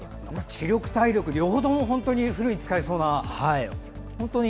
知力、体力両方ともフルに使いそうな。